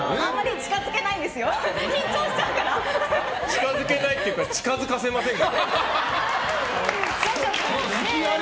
近づけないというか近づけさせませんよ。